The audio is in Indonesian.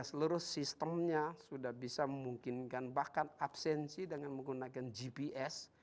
seluruh sistemnya sudah bisa memungkinkan bahkan absensi dengan menggunakan gps